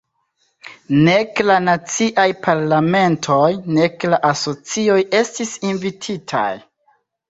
Nek la naciaj parlamentoj nek la asocioj estis invititaj.